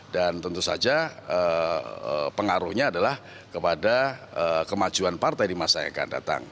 dan tentu saja pengaruhnya adalah kepada kemajuan partai di masa yang akan datang